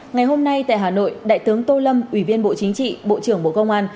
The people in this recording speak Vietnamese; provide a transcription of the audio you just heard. ngày hôm nay tại hà nội đại tướng tô lâm ủy viên bộ chính trị bộ trưởng bộ công an